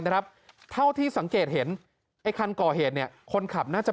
นะครับเท่าที่สังเกตเห็นไอ้คันก่อเหตุเนี่ยคนขับน่าจะ